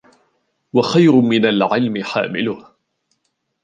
وَخَيْرٌ مِنْ الْعِلْمِ حَامِلُهُ